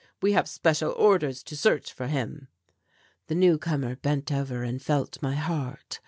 We have special orders to search for him." The newcomer bent over and felt my heart.